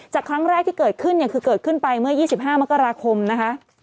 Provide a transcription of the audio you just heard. ครั้งแรกที่เกิดขึ้นเนี่ยคือเกิดขึ้นไปเมื่อ๒๕มกราคมนะคะ